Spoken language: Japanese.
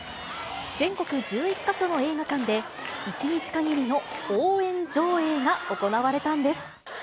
全国１１か所の映画館で、１日限りの応援上映が行われたんです。